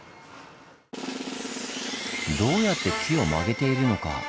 どうやって木を曲げているのか？